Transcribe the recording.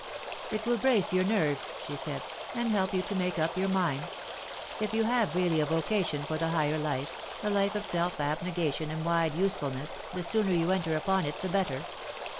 "It will brace your nerves," she said, "and help you to make up your mind. If you have really a vocation for the higher life, the life of self abnegation and wide usefulness, the sooner you enter upon it the better.